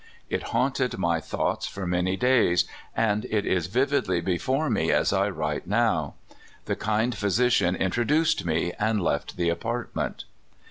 It haunted my thoughts for many days, and it is vividly before me as I write now^ The kind physician introduced me, and left the apartment.